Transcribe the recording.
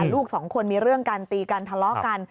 ลูกสองคนมีเรื่องกันตีกันทะเลาะกัน